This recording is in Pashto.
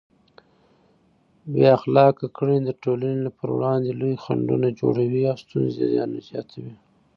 بې اخلاقه کړنې د ټولنې پر وړاندې لوی خنډونه جوړوي او ستونزې زیاتوي.